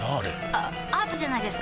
あアートじゃないですか？